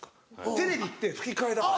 テレビって吹き替えだから。